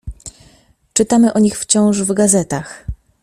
"Czytamy o nich wciąż w gazetach."